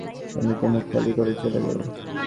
সন্দীপ মুখ কালি করে চলে গেল।